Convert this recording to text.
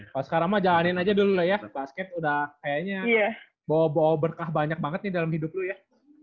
kalau sekarang mah jalanin aja dulu lah ya basket udah kayaknya bawa bawa berkah banyak banget nih dalam hidup lo ya